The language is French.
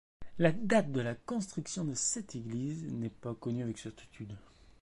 La date de la construction de cette église n'est pas connue avec certitude.